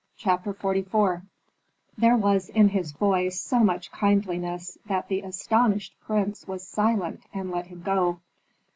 CHAPTER XLIV There was in his voice so much kindliness that the astonished prince was silent and let him go.